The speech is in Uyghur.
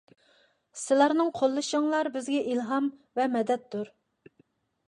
سىلەرنىڭ قوللىشىڭلار بىزگە ئىلھام ۋە مەدەتتۇر.